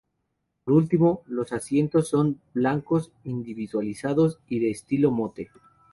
Por último, los asientos son blancos, individualizados y de estilo "Motte".